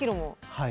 はい。